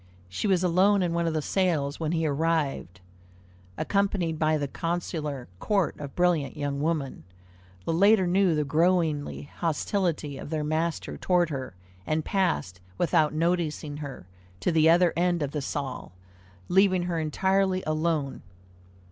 She was alone in one of the salles when he arrived, accompanied by the consular court of brilliant young women. The latter knew the growing hostility of their master toward her, and passed, without noticing her, to the other end of the salle, leaving her entirely alone.